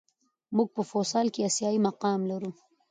موږ په فوسال کې آسیايي مقام لرو.